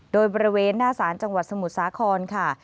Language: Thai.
โดยบริเวณหน้าศาลจังหวัดสมุทรสาครค่ะ